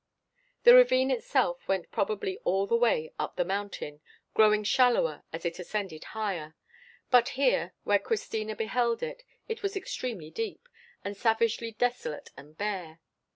The ravine itself went probably all the way up the mountain, growing shallower as it ascended higher; but here, where Christina beheld it, it was extremely deep, and savagely desolate and bare.